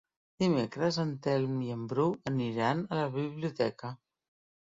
Dimecres en Telm i en Bru aniran a la biblioteca.